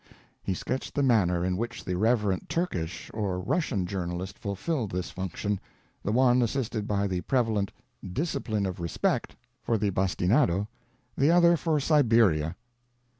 He sketched the manner in which the reverent Turkish or Russian journalist fulfilled this function—the one assisted by the prevalent "discipline of respect" for the bastinado, the other for Siberia.